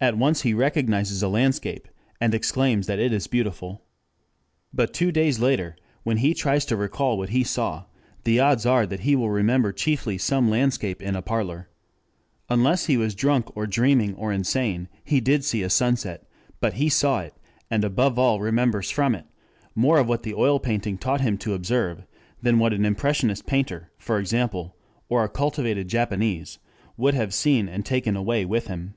At once he recognizes a landscape and exclaims that it is beautiful. But two days later, when he tries to recall what he saw, the odds are that he will remember chiefly some landscape in a parlor. Unless he has been drunk or dreaming or insane he did see a sunset, but he saw in it, and above all remembers from it, more of what the oil painting taught him to observe, than what an impressionist painter, for example, or a cultivated Japanese would have seen and taken away with him.